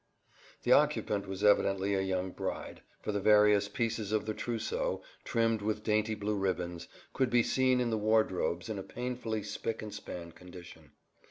The occupant was evidently a young bride, for the various pieces of the trousseau, trimmed with dainty blue ribbons, could be seen in the wardrobes in a painfully spick and span condition.